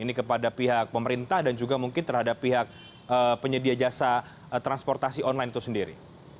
ini kepada pihak pemerintah dan juga mungkin terhadap pihak penyedia jasa transportasi online itu sendiri